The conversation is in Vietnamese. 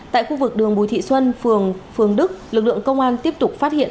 tại khu vực đường bùi thị xuân phường phường đức lực lượng công an tiếp tục phát hiện